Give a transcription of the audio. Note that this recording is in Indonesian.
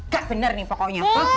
gak bener nih pokoknya